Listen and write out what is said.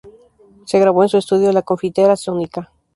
Se grabó en su estudio "La Confitería Sónica".